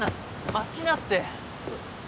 待ちなって！